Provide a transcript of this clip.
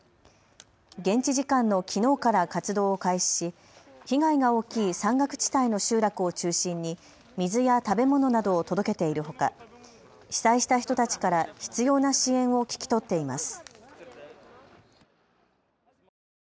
現地時間のきのうから活動を開始し被害が大きい山岳地帯の集落を中心に水や食べ物などを届けているほか被災した人たちから必要な支援を聞き取っています。